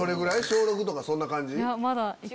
小６とかそんな感じ？